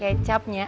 jin kayak kecapnya